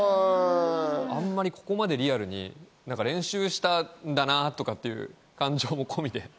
あまりここまでリアルに練習したんだなぁとかっていう感情も込みで。